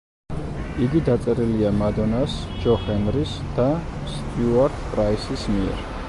იგი დაწერილია მადონას, ჯო ჰენრის და სტიუარტ პრაისის მიერ.